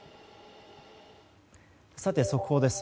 速報です。